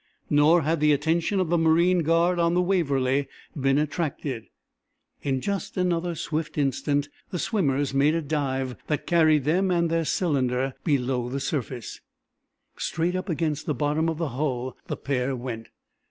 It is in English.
Nor had the attention of the marine guard on the "Waverly" been attracted. In just another swift instant the swimmers made a dive that carried them and their cylinder below the surface. Straight up against the bottom of the hull the pair went.